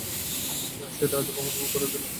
আর সেটা আজ প্রমাণও করে দিলে।